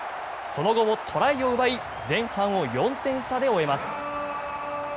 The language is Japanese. その後もトライを奪い前半を４点差で終えます。